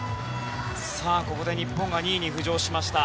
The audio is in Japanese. ここで日本は２位に浮上しました。